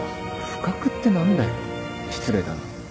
不覚って何だよ失礼だな。